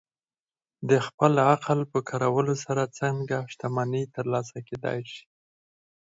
د خپل عقل په کارولو سره څنګه شتمني ترلاسه کېدای شي؟